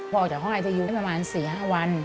พอออกจากห้องไอทึยายุได้ประมาณ๔๕วัน